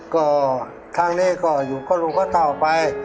ก็ทางนี้ก็อยู่ก็ลูกก็เท่าไป